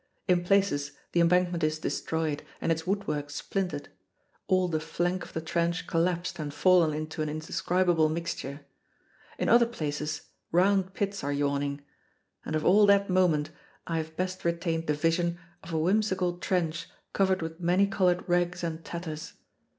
In places the embankment is destroyed and its woodwork splintered all the flank of the trench collapsed and fallen into an indescribable mixture. In other places, round pits are yawning. And of all that moment I have best retained the vision of a whimsical trench covered with many colored rags and tatters.